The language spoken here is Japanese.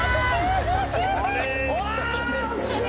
惜しい！